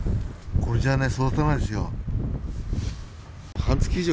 これじゃね、育たないですよ。